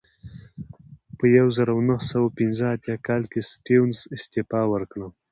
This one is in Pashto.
په یوه زرو نهه سوه پنځه اتیا کال کې سټیونز استعفا ورکړه.